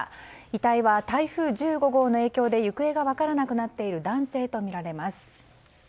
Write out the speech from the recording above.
遺体は台風１５号の影響で行方が分からなくなっている男性とみられます。